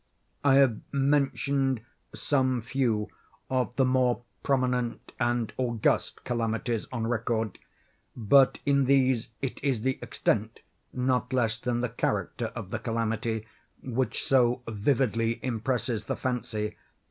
I have mentioned some few of the more prominent and august calamities on record; but in these it is the extent, not less than the character of the calamity, which so vividly impresses the fancy.